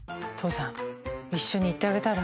一緒に行ってあげたら？